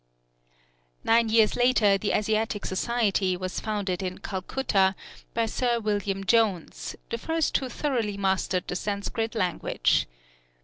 Nine years later the Asiatic Society was founded in Calcutta by Sir William Jones, the first who thoroughly mastered the Sanskrit language.